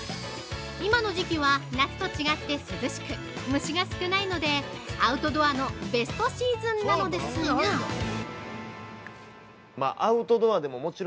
今の時期は夏と違って涼しく虫が少ないのでアウトドアのベストシーズンなのですが◆そうなんです！